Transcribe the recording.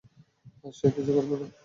সে কিছু করবে না।